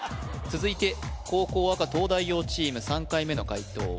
続いて後攻赤東大王チーム３回目の解答